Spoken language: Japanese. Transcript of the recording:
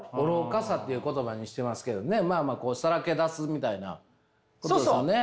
「愚かさ」っていう言葉にしてますけどねまあまあさらけ出すみたいなことですよね？